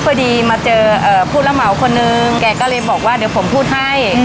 พอดีมาเจอผู้ระเหมาคนนึงแกก็เลยบอกว่าเดี๋ยวผมพูดให้